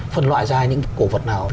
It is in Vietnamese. phân loại ra những cổ vật nào